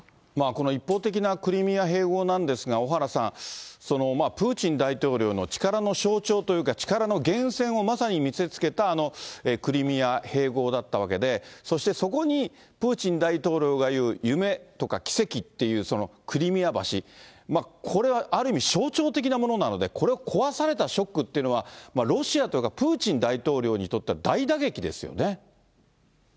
この一方的なクリミア併合なんですが、小原さん、プーチン大統領の力の象徴というか、力の源泉をまさに見せつけた、あのクリミア併合だったわけで、そしてそこにプーチン大統領が言う夢とか奇跡っていう、そのクリミア橋、これはある意味象徴的なものなので、これを壊されたショックっていうのは、ロシアとかプーチン大統領にとっては大打撃ですよね。